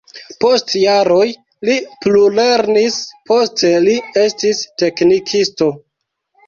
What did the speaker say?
Post jaroj li plulernis, poste li estis teknikisto.